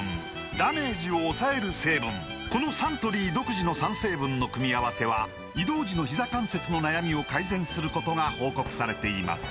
このサントリー独自の３成分の組み合わせは移動時のひざ関節の悩みを改善することが報告されています